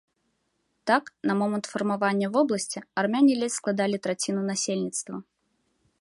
Так, на момант фармавання вобласці армяне ледзь складалі траціну насельніцтва.